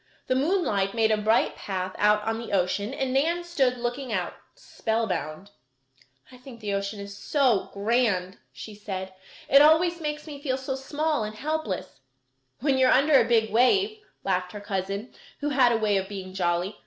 The moonlight made a bright path out on the ocean and Nan stood looking out, spellbound. "I think the ocean is so grand," she said. "It always makes me feel so small and helpless." "When you are under a big wave," laughed her cousin, who had a way of being jolly.